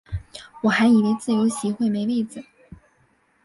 我还以为自由席会没位子